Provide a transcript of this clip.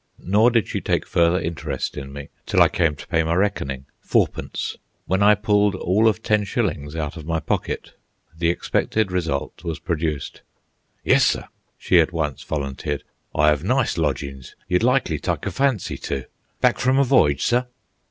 Nor did she take further interest in me till I came to pay my reckoning (fourpence), when I pulled all of ten shillings out of my pocket. The expected result was produced. "Yus, sir," she at once volunteered; "I 'ave nice lodgin's you'd likely tyke a fancy to. Back from a voyage, sir?"